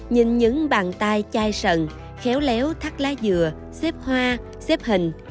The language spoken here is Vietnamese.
nhưng những bàn tay chai sần khéo léo thắt lá dừa xếp hoa xếp hình